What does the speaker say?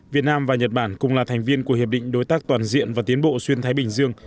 việt nam và nhật bản cùng là thành viên của hiệp định đối tác toàn diện và tiến bộ xuyên thái bình dương